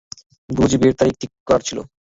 গুরুজি বিয়ের তারিখ ঠিক করার ছিল।